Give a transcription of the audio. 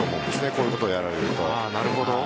こういうことをやられると。